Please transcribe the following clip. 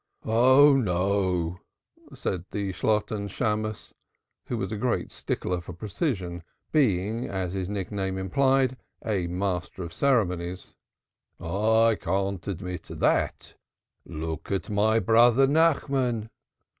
"Oh no," said the Shalotten Shammos, who was a great stickler for precision, being, as his nickname implied, a master of ceremonies. "I can't admit that. Look at my brother Nachmann."